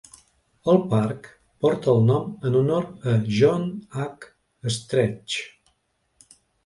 El parc porta el nom en honor a John H. Stretch.